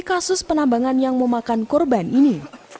kasus penambangan yang memakan korban ini